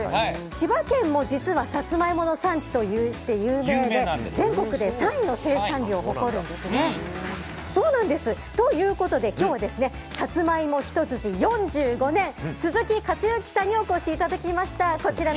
千葉県も実はサツマイモの産地で有名で全国で３位の生産量を誇るんですね。ということで今日はサツマイモひと筋４５年スズキ・カツユキさんにお越しいただきました。